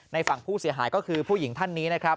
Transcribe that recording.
ฝั่งผู้เสียหายก็คือผู้หญิงท่านนี้นะครับ